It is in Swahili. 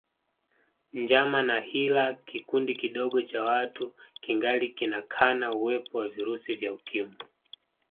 Njama na hila kikundi kidogo cha watu kingali kinakana uwep wa virusi vya Ukimwi